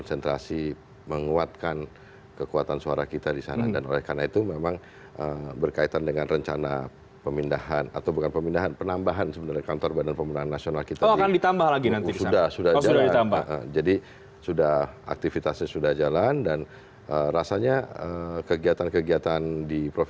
sebelumnya prabowo subianto